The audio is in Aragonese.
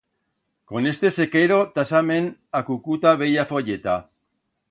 Con este sequero tasament acucuta bella folleta.